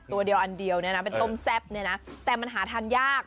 ตัวเดียวอันเดียวนะเป็นต้มแซ่บแต่มันหาทานยาก